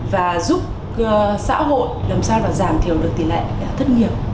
và giúp xã hội làm sao để giảm thiểu được tỉ lệ thất nghiệp